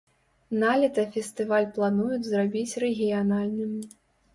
Налета фестываль плануюць зрабіць рэгіянальным.